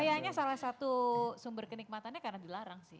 kayaknya salah satu sumber kenikmatannya karena dilarang sih